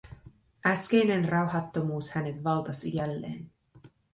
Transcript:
Äskeinen rauhattomuus hänet valtasi jälleen.